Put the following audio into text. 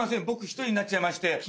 僕１人になっちゃいまして。